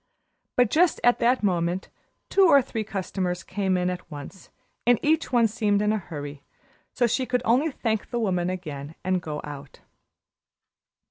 But just at that moment two or three customers came in at once and each one seemed in a hurry, so she could only thank the woman again and go out.